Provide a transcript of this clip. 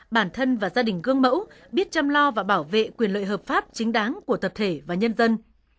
bản thân và gia đình gương mẫu biết chăm lo và bảo vệ quyền lợi hợp pháp chính đáng của tập thể và nhân dân